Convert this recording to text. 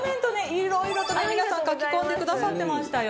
いろいろとね皆さん書き込んで下さってましたよ。